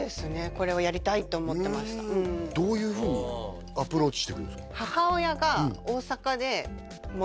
これをやりたいって思ってましたどういうふうにアプローチしていくんですか？